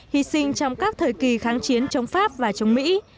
hy sinh trong các thời kỳ kháng chiến trong pháp và trong mỹ